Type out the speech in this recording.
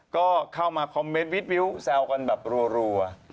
ก็เข้ามาคอมเมนต์วิทวิวแซวกันแบบรัว